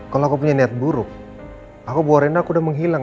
kalau aku punya niat buruk aku borin aku udah menghilang